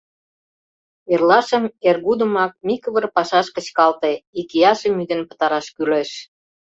Эрлашым эргудымак Микывыр пашаш кычкалте: икияшым ӱден пытараш кӱлеш.